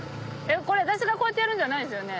これ私がこうやってやるんじゃないですよね？